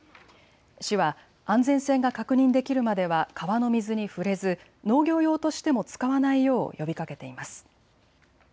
市は安全性が確認できるまでは川の水に触れず農業用としても使わないよう呼びかけています。